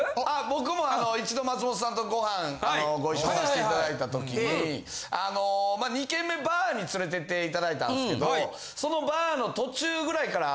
僕も一度松本さんとごはんご一緒させていただいたときに２軒目バーに連れていっていただいたんですけどそのバーの途中ぐらいから。